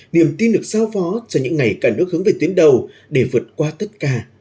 niềm tin được sao phó cho những ngày cả nước hướng về tuyến đầu để vượt qua tất cả